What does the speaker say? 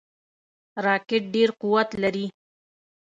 راکټ ډیر قوت لري